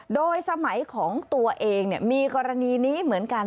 โดยสมัยของตัวเองมีกรณีนี้เหมือนกัน